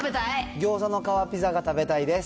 餃子の皮ピザが食べたいです。